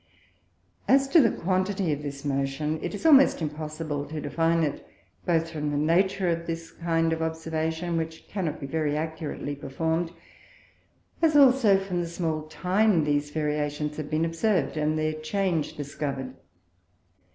As to the quantity of this Motion it is almost impossible to define it, both from the Nature of this kind of Observation, which cannot be very accurately perform'd, as also from the small time these Variations have been observ'd, and their Change discover'd.